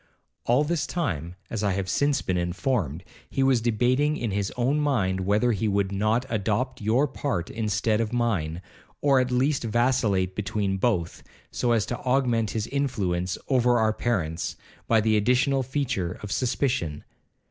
'All this time, as I have since been informed, he was debating in his own mind whether he would not adopt your part instead of mine, or at least vacillate between both, so as to augment his influence over our parents, by the additional feature of suspicion.